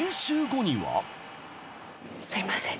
すいません